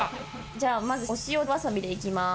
じゃあまずお塩わさびでいきます。